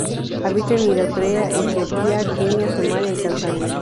Habita en Eritrea, Etiopía, Kenia, Somalia y Tanzania.